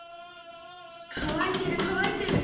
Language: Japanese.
乾いてる乾いてる！